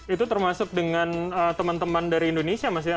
itu termasuk dengan teman teman dari indonesia mas ya